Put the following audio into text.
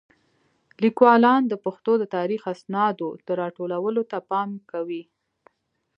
لیکوالان د پښتو د تاریخي اسنادو د راټولولو ته پام نه کوي.